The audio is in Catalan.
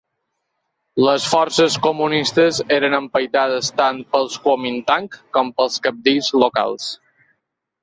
Les forces comunistes eren empaitades tant pel Kuomintang com pels cabdills locals.